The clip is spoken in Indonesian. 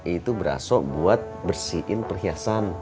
itu berasa buat bersihin perhiasan